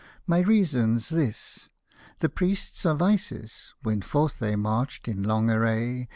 My reason's this :— the Priests of Isis, When forth they marched in long array.